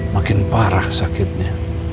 makin parah sakitnya